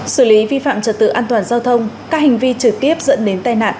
xử lý vi phạm trật tự an toàn giao thông các hành vi trực tiếp dẫn đến tai nạn